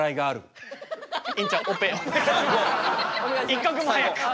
一刻も早く。